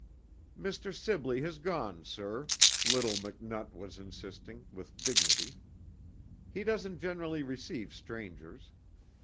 "Mr. Sibley has gone, sir," little McNutt was insisting, with dignity. "He doesn't generally receive strangers.